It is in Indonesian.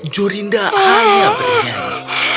jorindel hanya bernyanyi